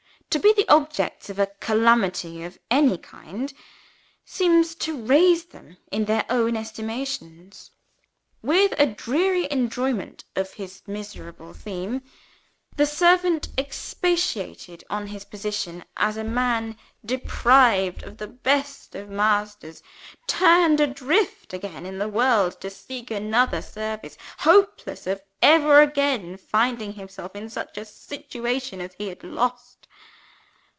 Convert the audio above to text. To be the objects of a calamity of any kind, seems to raise them in their own estimations. With a dreary enjoyment of his miserable theme, the servant expatiated on his position as a man deprived of the best of masters; turned adrift again in the world to seek another service; hopeless of ever again finding himself in such a situation as he had lost.